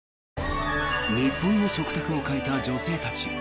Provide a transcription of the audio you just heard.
日本の食卓を変えた女性たち。